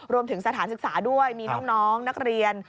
รวมถึงสถานศึกษาด้วยมีน้องนักเรียน